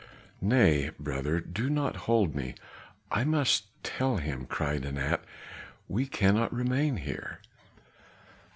"Nay, brother, do not hold me, I must tell him," cried Anat. "We cannot remain here."